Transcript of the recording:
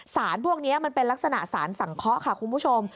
สารพวกนี้มันเป็นลักษณะสารสังเคาะค่ะคุณผู้ชม